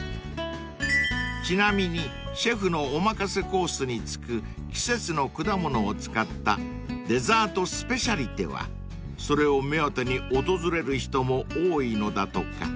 ［ちなみにシェフのお任せコースに付く季節の果物を使ったデザートスペシャリテはそれを目当てに訪れる人も多いのだとか］